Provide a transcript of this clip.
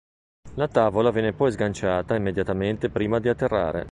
La tavola viene poi sganciata immediatamente prima di atterrare.